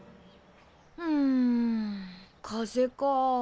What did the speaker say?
うん風か。